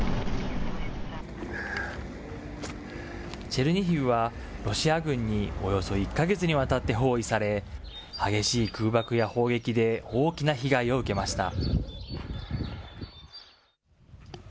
チェルニヒウはロシア軍におよそ１か月にわたって包囲され、激しい空爆や砲撃で大きな被害を受けました。